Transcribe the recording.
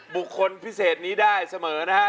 บุคคลพิเศษนี้ได้เมื่อไม่นาน